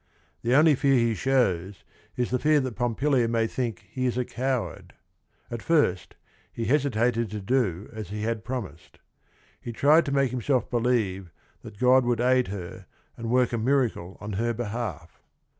The only fear he shows is the fear that Pompilia may think he is a coward. At first he hesitated to do as he had promised. He tried to make himself believe that God would aid her and work a miracle on her behalf.